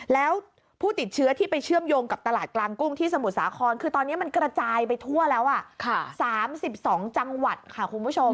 แล้วผู้ติดเชื้อที่ไปเชื่อมโยงกับตลาดกลางกุ้งที่สมุทรสาครคือตอนนี้มันกระจายไปทั่วแล้ว๓๒จังหวัดค่ะคุณผู้ชม